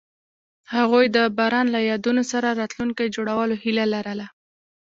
هغوی د باران له یادونو سره راتلونکی جوړولو هیله لرله.